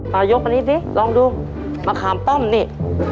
ยกอันนี้สิลองดูมะขามป้อมนี่